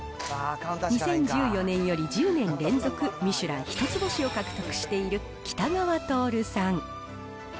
２０１４年より１０年連続ミシュラン１つ星を獲得している喜多川達さん。